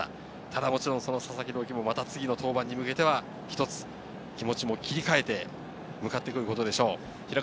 ただ佐々木朗希も次の登板に向けて気持ちを切り替えて向かってくることでしょう。